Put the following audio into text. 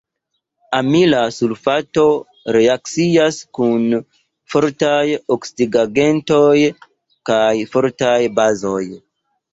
Amila sulfato reakcias kun fortaj oksidigagentoj kaj fortaj bazoj.